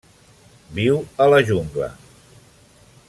Viu a la jungla.